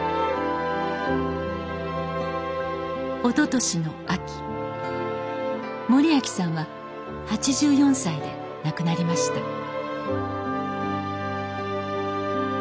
おととしの秋盛明さんは８４歳で亡くなりました